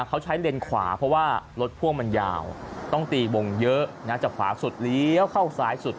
เขาใช้เลนขวาเพราะว่ารถพ่วงมันยาวต้องตีวงเยอะนะจากขวาสุดเลี้ยวเข้าซ้ายสุด